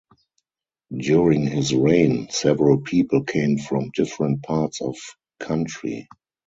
During his reign several people came from different parts of country.